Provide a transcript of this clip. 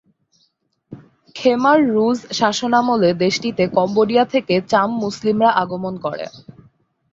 খেমার Rouge শাসনামলে দেশটিতে Cambodia থেকে চাম মুসলিমরা আগমন করে।